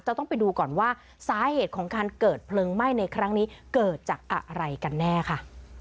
ต้องไปดูก่อนว่าสาเหตุของการเกิดเพลิงไหม้ในครั้งนี้เกิดจากอะไรกันแน่ค่ะ